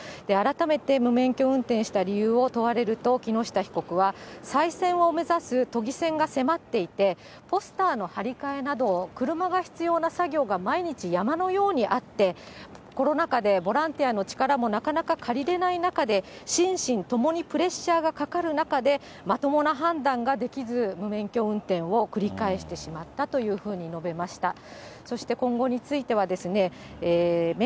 改めて無免許運転した理由を問われると木下被告は、再選を目指す都議選が迫っていて、ポスターの貼り替えなどを、車の必要な業務が毎日山のようにあって、コロナ禍でボランティアの力もなかなか借りれない中で、心身ともにプレッシャーがかかる中で、まともな判断ができず、無免許運転を繰り返してしまったというふうに述べました。